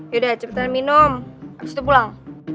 yaudah cepetan minum abis itu pulang